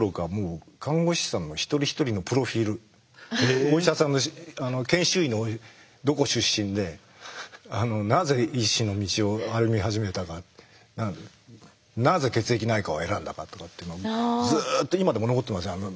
お医者さんの研修医のどこ出身でなぜ医師の道を歩み始めたかなぜ血液内科を選んだかとかってずっと今でも残ってますよ。